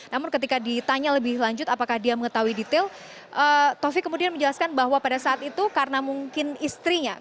namun ketika ditanya lebih lanjut apakah dia mengetahui detail taufik kemudian menjelaskan bahwa pada saat itu karena mungkin istrinya